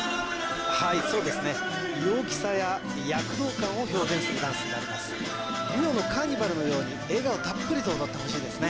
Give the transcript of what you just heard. はいそうですね陽気さや躍動感を表現するダンスになりますリオのカーニバルのように笑顔たっぷりと踊ってほしいですね